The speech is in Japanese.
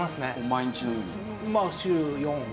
毎日のように？